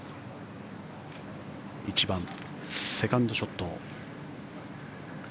１番、セカンドショット。